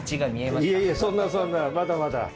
いやいやそんなそんなまだまだ。